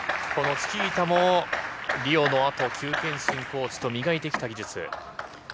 チキータも、リオのあとキュウ・ケンシンコーチと磨いてきた技術。